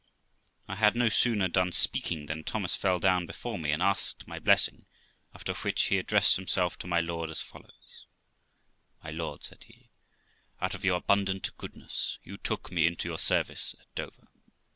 I had no sooner done speaking, than Thomas fell down before me, and asked my blessing, after which, he addressed himself to my lord as follows: 'My lord', said he, 'out of your abundant goodness yon took me into your service at Dover.